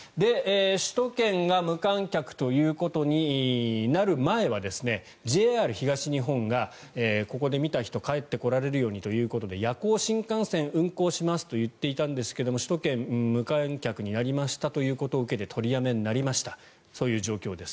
首都圏が無観客ということになる前はＪＲ東日本がここで見た人が帰ってこられるようにということで夜行新幹線、運行しますと言っていたんですが首都圏、無観客になりましたということを受けて取りやめになりましたという状況です。